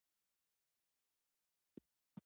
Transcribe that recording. زه به سږ کال عمرې ته راځم.